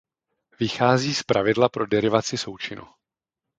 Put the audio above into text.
Vychází z pravidla pro derivaci součinu.